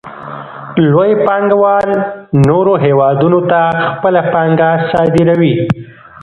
لوی پانګوال نورو هېوادونو ته خپله پانګه صادروي